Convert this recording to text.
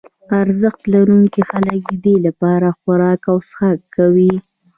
ارزښت لرونکي خلک ددې لپاره خوراک او څښاک کوي.